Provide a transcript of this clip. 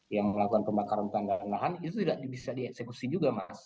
yang melakukan pemakaran hutan dan renahan itu tidak bisa dieksekusi juga